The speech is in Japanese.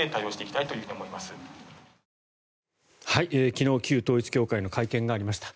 昨日旧統一教会の会見がありました。